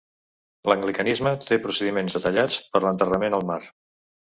L'anglicanisme té procediments detallats per l'enterrament al mar.